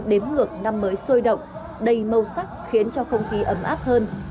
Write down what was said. đếm ngược năm mới sôi động đầy màu sắc khiến cho không khí ấm áp hơn